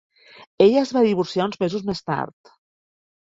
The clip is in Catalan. Ella es va divorciar una mesos més tard.